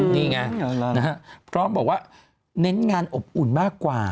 นี่ไงพร้อมบอกว่าเน้นงานอบอุ่นมากกว่า